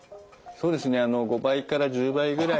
そうですねあの５倍から１０倍ぐらい。